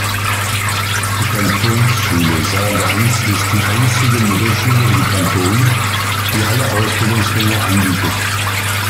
Die Kantonsschule Sargans ist die einzige Mittelschule im Kanton, die alle Ausbildungsgänge anbietet.